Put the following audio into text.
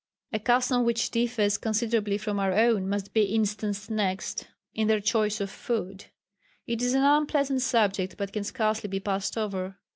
A custom which differs considerably from our own must be instanced next, in their choice of food. It is an unpleasant subject, but can scarcely be passed over.